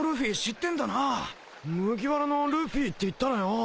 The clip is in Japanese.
麦わらのルフィっていったらよ。